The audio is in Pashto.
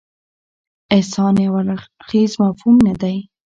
احسان یو اړخیز مفهوم نه دی.